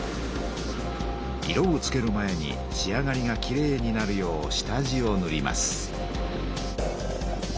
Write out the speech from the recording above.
色をつける前に仕上がりがきれいになるよう下地をぬります。